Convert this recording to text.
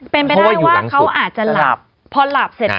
เป็นไปได้ว่าเขาอาจจะหลับ